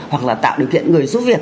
hoặc là tạo điều kiện người giúp việc